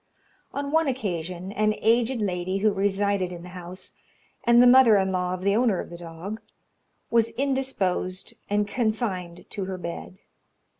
On one occasion, an aged lady who resided in the house, and the mother in law of the owner of the dog, was indisposed and confined to her bed.